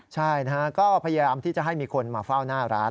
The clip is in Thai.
ใช่นะฮะก็พยายามที่จะให้มีคนมาเฝ้าหน้าร้าน